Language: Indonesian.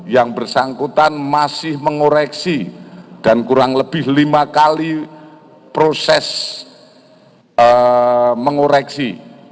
yang bersangkutan masih mengoreksi dan kurang lebih lima kali proses mengoreksi